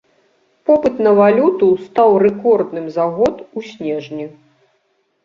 Попыт на валюту стаў рэкордным за год у снежні.